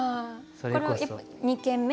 これは２軒目？